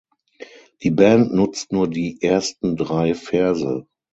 Die Band nutzt nur die ersten drei Verse.